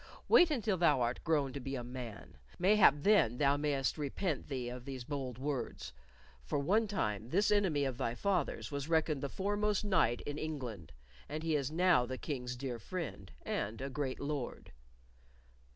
"Wait until thou art grown to be a man. Mayhap then thou mayst repent thee of these bold words, for one time this enemy of thy father's was reckoned the foremost knight in England, and he is now the King's dear friend and a great lord."